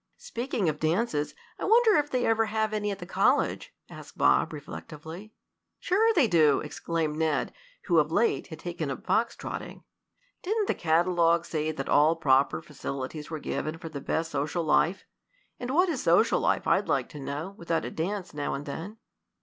"Speaking of dances, I wonder if they ever have any at the college?" asked Bob, reflectively. "Sure they do!" exclaimed Ned, who of late had taken up fox trotting. "Didn't the catalogue say that all proper facilities were given for the best social life. And what is social life, I'd like to know, without a dance now and then?"